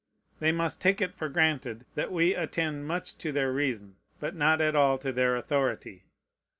They must take it for granted that we attend much to their reason, but not at all to their authority.